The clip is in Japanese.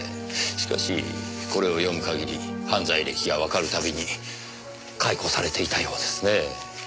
しかしこれを読む限り犯罪歴がわかるたびに解雇されていたようですねぇ。